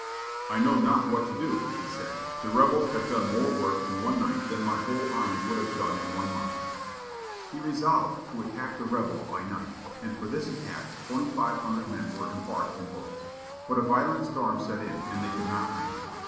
"I know not what to do," he said. "The rebels have done more work in one night than my whole army would have done in one month." He resolved to attack the "rebels" by night, and for this attack twenty five hundred men were embarked in boats. But a violent storm set in, and they could not land.